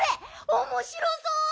おもしろそう！